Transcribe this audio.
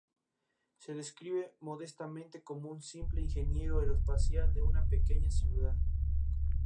Su primer club fue el equipo madrileño Club Natación San Blas.